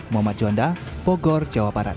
mohd jonda pogor jawa barat